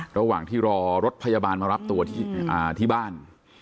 ระหว่างที่รอรถพยาบาลมารับตัวที่บ้าน